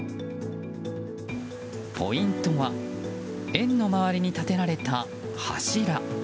ポイントは円の周りに建てられた柱。